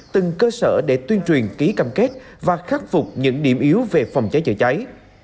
từng cơ sở để tuyên truyền ký cam kết và khắc phục những điểm yếu về phòng cháy chữa cháy